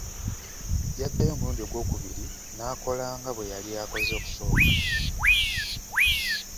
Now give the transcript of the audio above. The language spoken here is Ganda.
Yaddayo omulundi ogw'okubiri n'akola nga bwe yali akoze okusooka.